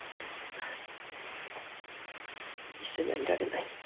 一緒にはいられない。